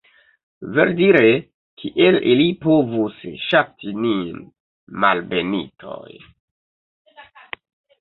Verdire, kiel ili povus ŝati nin, malbenitoj?